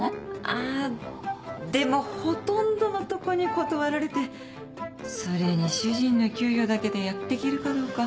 あでもほとんどのとこに断られてそれに主人の給料だけでやってけるかどうか。